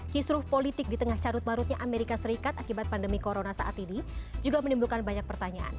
kisruh politik di tengah carut marutnya amerika serikat akibat pandemi corona saat ini juga menimbulkan banyak pertanyaan